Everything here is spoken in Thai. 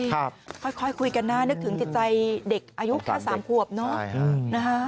ค่ะค่อยคุยกันนะนึกถึงใจเด็กอายุแค่๓ควบเนอะนะฮะ